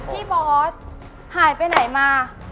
บอสหายไปไหนมา